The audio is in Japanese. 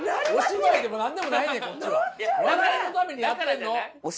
笑いのためにやってんの！